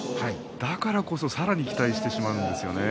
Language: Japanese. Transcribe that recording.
だからこそ、さらに期待してしまうんですよね。